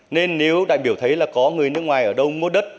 nên nếu đại biểu thấy là có người nước ngoài ở đâu mua đất